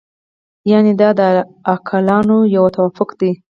یعنې دا د عاقلانو یو توافق دی.